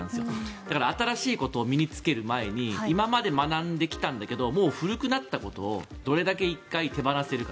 だから新しいことを身に着ける前に今まで学んできたんだけどもう古くなったことをどれだけ１回手放せるか。